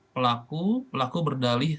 pelaku pelaku berdalih